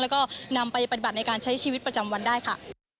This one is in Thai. แล้วก็นำไปปฏิบัติในการใช้ชีวิตประจำวันได้ค่ะ